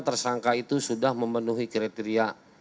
tersangka itu sudah memenuhi kriteria